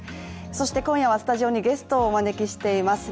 今夜はスタジオにゲストをお招きしています。